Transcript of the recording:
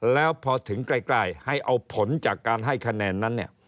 แล้วพอถึงใกล้ให้เอาผลจากการให้คะแนนนั้นเนี่ย